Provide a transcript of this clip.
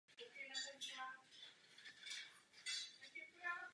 Každoročně v létě se na ostrově koná hudební festival Stockholm Jazz Festival.